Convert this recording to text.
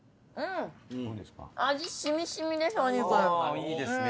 いいですね